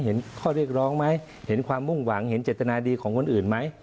เห็นข้อเรียกร้องไหมเห็นความมุ่งหวังเห็นเจตนาดีของคนอื่นไหม